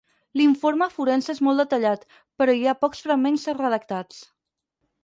L'informe forense és molt detallat, però hi ha pocs fragments redactats.